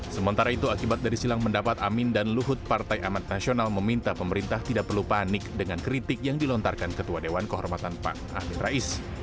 sementara itu akibat dari silang pendapat amin dan luhut partai amat nasional meminta pemerintah tidak perlu panik dengan kritik yang dilontarkan ketua dewan kehormatan pan amin rais